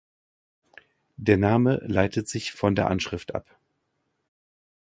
Der Name leitet sich von der Anschrift ab.